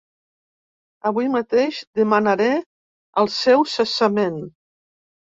Avui mateix demanaré el seu cessament.